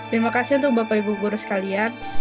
terima kasih untuk bapak ibu guru sekalian